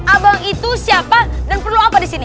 abang itu siapa dan perlu apa di sini